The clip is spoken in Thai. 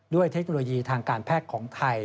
เทคโนโลยีทางการแพทย์ของไทย